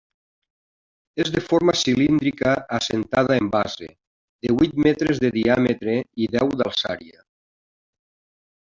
És de forma cilíndrica assentada en base, de huit metres de diàmetre i deu d'alçària.